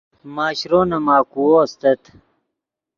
ماشرو نے ماکوؤ استت